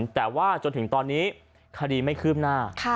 แต่ว่าจนถึงตอนนี้คดีไม่คืบหน้า